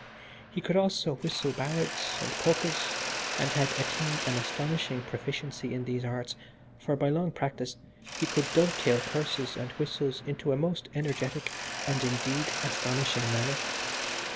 He could also whistle ballads and polkas, and had attained an astonishing proficiency in these arts; for, by long practice, he could dovetail curses and whistles in a most energetic and, indeed, astonishing manner.